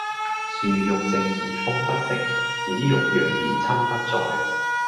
樹欲靜而風不息，子欲養而親不在